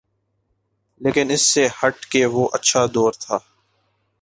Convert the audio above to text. لیکن اس سے ہٹ کے وہ اچھا دور تھا۔